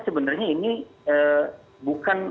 sebenarnya ini bukan